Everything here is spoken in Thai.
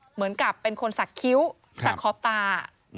เหมือนกับเป็นคนสักคิ้วสักขอบตา